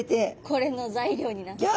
これの材料になった。